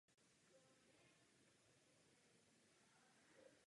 Tak vznikne přátelství na dálku.